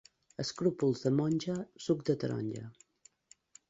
Escrúpols de monja, suc de taronja.